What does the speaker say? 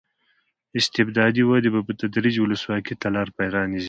استبدادي وده به په تدریج ولسواکۍ ته لار پرانېزي.